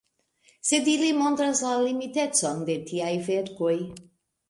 Sed ili montras la limitecon de tiaj verkoj.